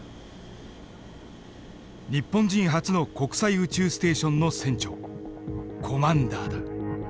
日本人初の国際宇宙ステーションの船長コマンダーだ。